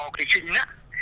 cái xình á